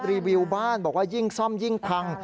รีวิวบ้านบอกว่ายิ่งซ่อมยิ่งพัง